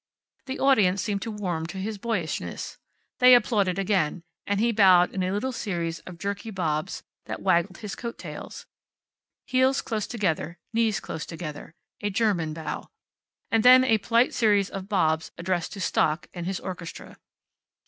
The audience seemed to warm to his boyishness. They applauded again, and he bowed in a little series of jerky bobs that waggled his coat tails. Heels close together, knees close together. A German bow. And then a polite series of bobs addressed to Stock and his orchestra.